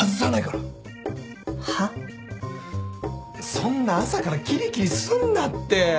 そんな朝からきりきりすんなって。